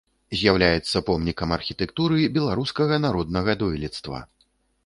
З'яўляецца помнікам архітэктуры беларускага народнага дойлідства.